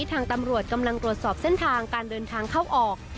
ทางตำรวจกำลังตรวจสอบเส้นทางการเดินทางเข้าออก